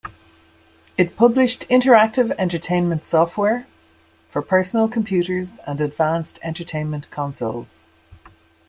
It published interactive entertainment software for personal computers and advanced entertainment consoles.